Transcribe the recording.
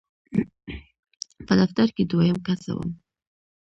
په دفتر کې دویم کس زه وم.